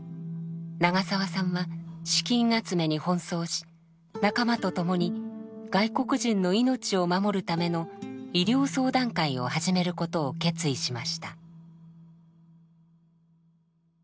長澤さんは資金集めに奔走し仲間とともに外国人の命を守るための「医療相談会」を始めることを決意しました。